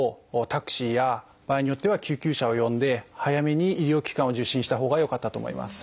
タクシーや場合によっては救急車を呼んで早めに医療機関を受診したほうがよかったと思います。